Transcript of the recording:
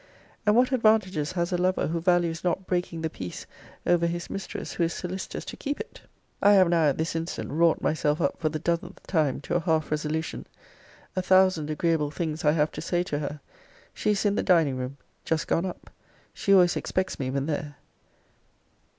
And what advantages has a lover, who values not breaking the peace, over his mistress who is solicitous to keep it! I have now at this instant wrought myself up, for the dozenth time, to a half resolution. A thousand agreeable things I have to say to her. She is in the dining room. Just gone up. She always expects me when there.